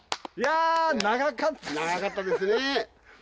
長かったですねぇ。